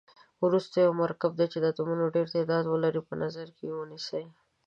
وروسته یو مرکب چې د اتومونو ډیر تعداد ولري په نظر کې ونیسئ.